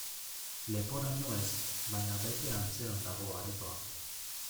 Leporaino ez, baina bete antzean dago aretoa.